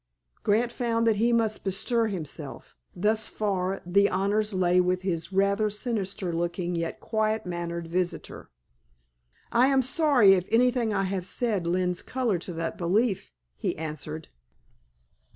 Grant found that he must bestir himself. Thus far, the honors lay with this rather sinister looking yet quiet mannered visitor. "I am sorry if anything I have said lends color to that belief," he answered.